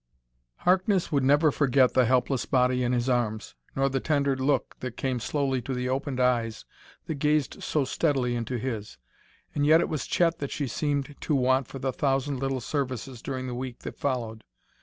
_" Harkness would never forget the helpless body in his arms, nor the tender look that came slowly to the opened eyes that gazed so steadily into his. And yet it was Chet that she seemed to want for the thousand little services during the week that followed.